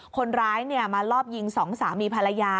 คนร้ายมาลอบยิงสองสามีภรรยา